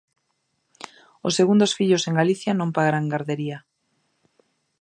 Os segundos fillos en Galicia non pagarán gardería.